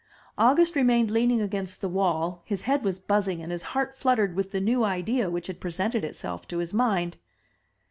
August remained leaning against the wall; his head was buzzing and his heart fluttered with the new idea which had presented itself to his mind.